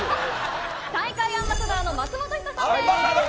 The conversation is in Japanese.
大会アンバサダーの松本人志さんです。